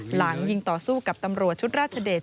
หลังยิงต่อสู้กับตำรวจชุดราชเดช